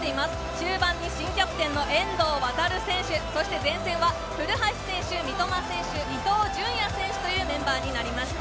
中盤に新キャプテンの遠藤航選手そして、前線は古橋選手、三笘選手、伊東純也選手というメンバーになりました。